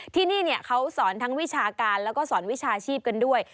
ที่นี่เขาสอนทั้งวิชาการแล้วก็สอนวิชาชีพกันด้วย